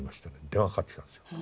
電話かかってきたんですよ。